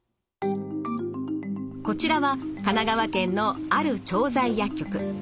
こちらは神奈川県のある調剤薬局。